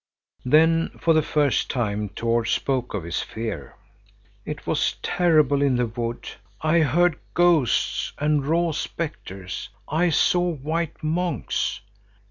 Then for the first time Tord spoke of his fear. "It was terrible in the wood. I heard ghosts and raw spectres. I saw white monks."